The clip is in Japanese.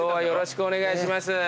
よろしくお願いします。